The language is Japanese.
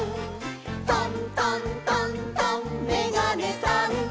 「トントントントンめがねさん」